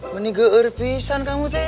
meni geer pisan kamu teh